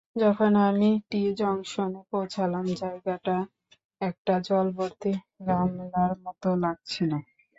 যখন আমি টি জংশনে পৌছালাম, যায়গাটা একটা জল ভর্তি গামলার মত লাগছিল।